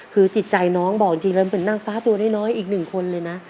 คือจิตใจน้องบอกจริงแล้วมันเป็นนางฟ้าตัวน้อยอีกหนึ่งคนเลยนะ